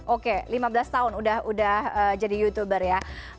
oke lima belas tahun udah jadi youtuber ya